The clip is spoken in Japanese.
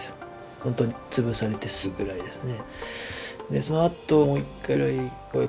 本当に潰されてすぐぐらいですね。